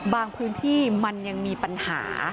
บางพื้นที่มันยังมีปัญหา